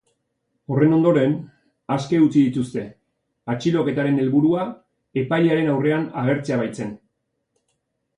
Horren ondoren, aske utzi dituzte, atxiloketaren helburua epailearen aurrean agertzea baitzen.